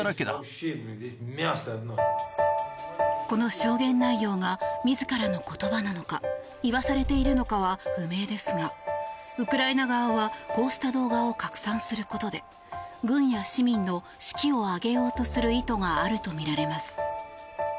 この証言内容が自らの言葉なのか言わされているのかは不明ですがウクライナ側はこうした動画を拡散することで軍や市民の士気を上げようとする意図があるとみられます。